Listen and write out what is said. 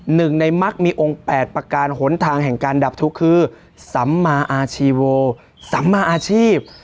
หนึ่งในมักมีองค์๘ประการหนทางแห่งการดับทุกข์คือสัมมาอาชีโวสัมมาอาชีพ